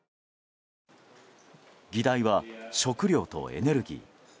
議題は食料とエネルギー。